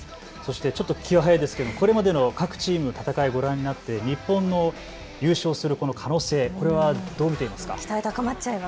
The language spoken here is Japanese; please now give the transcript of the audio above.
気が早いですけれどこれまでの各チームの戦い、ご覧になって日本の優勝する可能性、これはどう見ていますか。